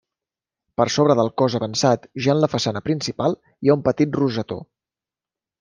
Per sobre del cos avançat, ja en la façana principal, hi ha un petit rosetó.